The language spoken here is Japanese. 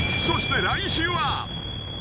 ［そして来週は］